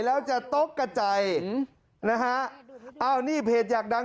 แล้วจะตกกระจายนะฮะอ้าวนี่เพจอยากดัง